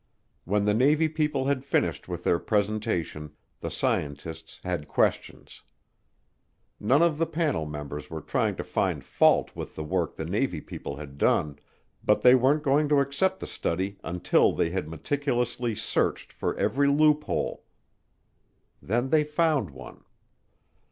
When the Navy people had finished with their presentation, the scientists had questions. None of the panel members were trying to find fault with the work the Navy people had done, but they weren't going to accept the study until they had meticulously searched for every loophole. Then they found one.